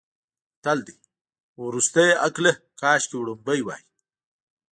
متل دی: ورستیه عقله کاش وړومبی وی.